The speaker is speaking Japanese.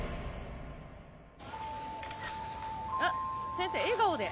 先生笑顔で！